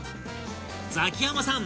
ザキヤマさん